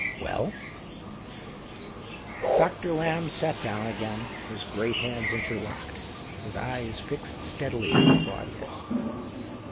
" Well ?" Doctor Lamb sat down afyain, his o rcat hands interlocked, his eyes fixed steadily on Claudius.